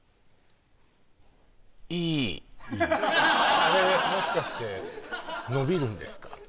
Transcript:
いいあれもしかして伸びるんですか？